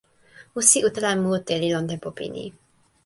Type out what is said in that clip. musi utala mute li lon tenpo pini.